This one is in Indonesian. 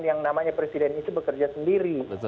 yang namanya presiden itu bekerja sendiri